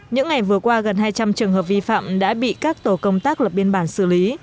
những ngày vừa qua gần hai trăm linh trường hợp vi phạm đã bị các tổ công tác lập biên bản xử lý